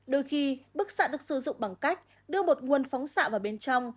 đôi khi bức xạ được sử dụng bằng cách đưa một nguồn phóng xạ vào bên trong